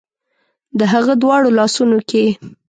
د هغه دواړو لاسونو کې